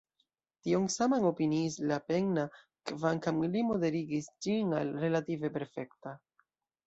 Tion saman opiniis Lapenna, kvankam li moderigis ĝin al “relative perfekta”.